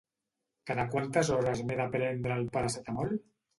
Cada quantes hores m'he de prendre el Paracetamol?